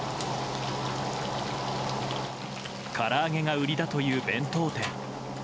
から揚げが売りだという弁当店。